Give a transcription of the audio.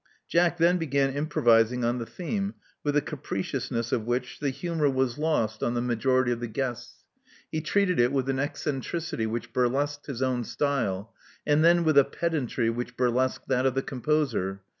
Jack then began improvising on the theme with a capriciousness of which the humor was lost on the Love Among the Artists 191 majority of the guests. He treated it with an eccen tricity which buriesqued his own style, and then with^ a pedantry which burlesqued that of the composer.